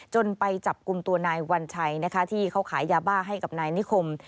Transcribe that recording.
ไปจับกลุ่มตัวนายวัญชัยนะคะที่เขาขายยาบ้าให้กับนายนิคม